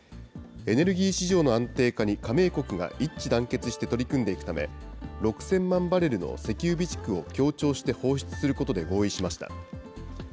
エネルギー市場の安定化に加盟国が一致団結して取り組んでいくため、６０００万バレルの石油備蓄を協調して放出することで合意しました。